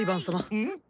うん？